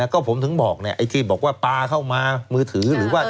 ก็ผมถึงบอกไอ้ที่บอกว่าปลาเข้ามามือถือหรือว่า